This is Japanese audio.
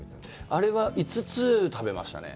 あれは５つ食べましたね。